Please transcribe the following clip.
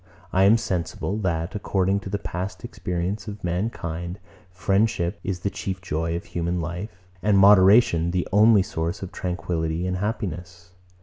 I am sensible, that, according to the past experience of mankind, friendship is the chief joy of human life, and moderation the only source of tranquillity and happiness.